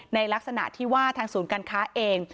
ในลักษณะที่ว่าทางศูนย์การค้าเอง